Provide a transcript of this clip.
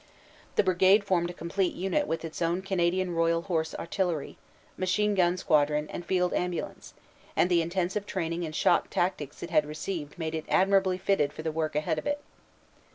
The brigade formed a complete unit with its own Canadian Royal Horse Artillery, machine gun squadron and field ambulance, and the intensive training in shock tactics it had received made it admirably fitted for the work ahead of it.